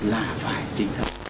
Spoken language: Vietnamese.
là phải trình thức